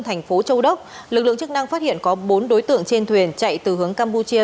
thành phố châu đốc lực lượng chức năng phát hiện có bốn đối tượng trên thuyền chạy từ hướng campuchia